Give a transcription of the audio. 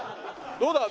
どうだ？